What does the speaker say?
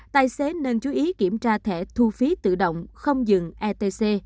tài xế nên chú ý kiểm tra thẻ thu phí tự động không dừng etc